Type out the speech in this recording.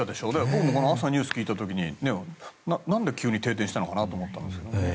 僕も朝ニュースを聞いた時に何で急に停電したのかなって思ったんです。